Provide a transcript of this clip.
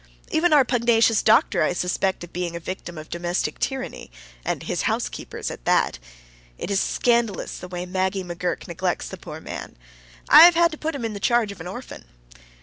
Even our pugnacious doctor I suspect of being a victim of domestic tyranny, and his housekeeper's at that. It is scandalous the way Maggie McGurk neglects the poor man. I have had to put him in charge of an orphan.